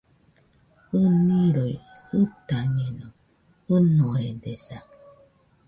ɨniroi jɨtañeno, ɨnoredesa.